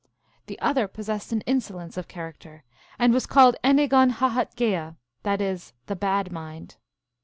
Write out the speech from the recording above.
The other possessed an insolence of character, and was called Enigonhahetgea ; that is, the Bad Mind.